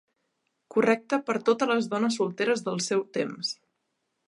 Correcte per totes les dones solteres del seu temps.